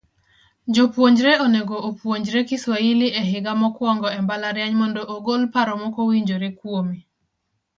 Jopuonjre onego opuonjre Kiswahili e higa mokwongo e mbalariany mondo ogol paro mokowinjore kuome.